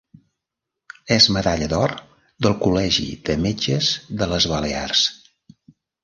És medalla d'or del Col·legi de Metges de les Balears.